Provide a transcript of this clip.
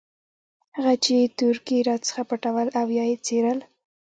هغه چې تورکي راڅخه پټول او يا يې څيرل.